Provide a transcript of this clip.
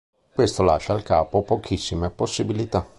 Questo lascia al capo pochissime possibilità.